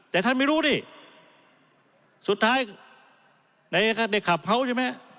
แต่ท่านไม่รู้นี่สุดท้ายในคลับเขาใช่ไหม